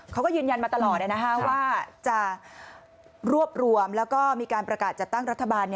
เขาก็ยืนยันมาตลอดว่าจะรวบรวมแล้วก็มีการประกาศจัดตั้งรัฐบาล